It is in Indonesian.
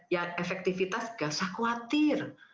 ya efektivitas nggak usah khawatir